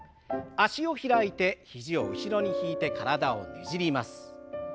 脚を開いて肘を後ろに引いて体をねじります。